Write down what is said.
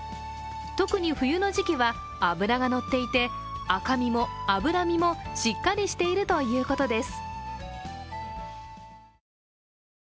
特に冬の時期は脂がのっていて赤身も脂身もしっかりしているということです。